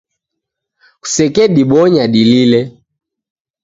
Kusekedibonya dilile